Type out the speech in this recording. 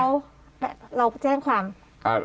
เขาเราแจ้งความ